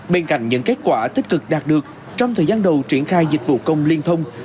bên cạnh những kết quả tích cực đạt được trong thời gian đầu triển khai dịch vụ công liên thông